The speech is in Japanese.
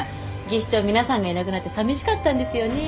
技師長皆さんがいなくなってさみしかったんですよねぇ。